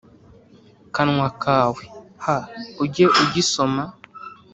kanwa kawe h ujye ugisoma